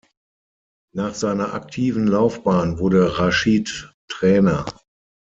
Nach seiner aktiven Laufbahn wurde Raschid Trainer.